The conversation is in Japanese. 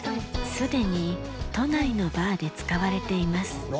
すでに都内のバーで使われています。